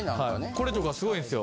これとかすごいんすよ。